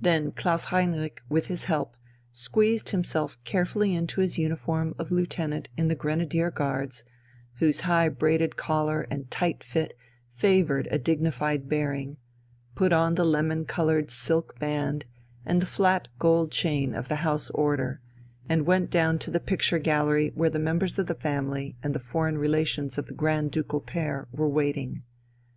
Then Klaus Heinrich, with his help, squeezed himself carefully into his uniform of lieutenant in the Grenadier Guards, whose high braided collar and tight fit favoured a dignified bearing, put on the lemon coloured silk band and the flat gold chain of the House Order, and went down to the picture gallery where the members of the family and the foreign relations of the Grand Ducal pair were waiting.